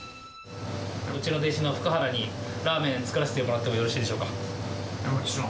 うちの弟子の福原にラーメン作らせてもらってもよろしいでしもちろん。